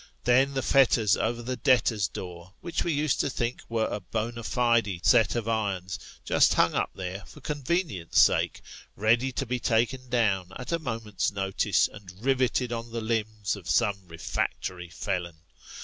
Then the fetters over the debtors' door, which we used to think were a bona fide set of irons, just hung up there, for convenience sake, ready to be taken down at a moment's notice, and riveted on the limbs of some refractory felon!